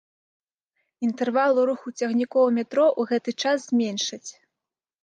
Інтэрвалы руху цягнікоў метро ў гэты час зменшаць.